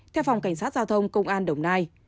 theo phòng cảnh sát giao thông công an đồng nai